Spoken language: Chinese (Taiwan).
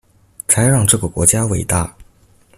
才讓這個國家偉大